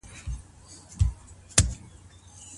ایا لوی صادروونکي وچ زردالو پلوري؟